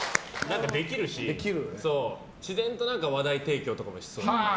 できるし自然と話題提供とかもしそう。